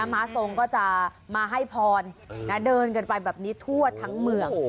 ม้าทรงก็จะมาให้พรเดินกันไปแบบนี้ทั่วทั้งเมือง